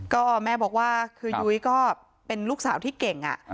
ก็แม่บอกว่าคือยุ้ยก็เป็นลูกสาวที่เก่ง